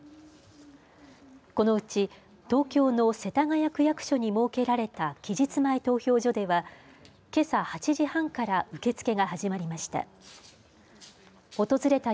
このうち東京の世田谷区役所に設けられた期日前投票所ではけさ８時半から受け付けが始まりました。